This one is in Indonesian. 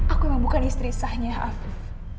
aku memang bukan istri sahnya aku